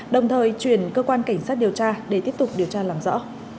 đồng thời chuyển cơ quan cảnh sát điều tra để tiếp tục điều tra làm rõ